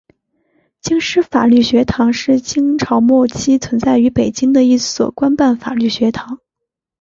京师法律学堂是清朝末期存在于北京的一所官办法律学堂。